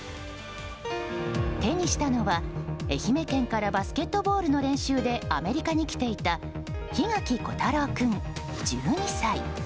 手にしたのは、愛媛県からバスケットボールの練習でアメリカに来ていた檜垣虎太郎君、１２歳。